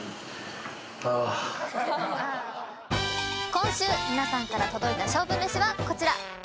今週皆さんから届いた勝負めしはこちら。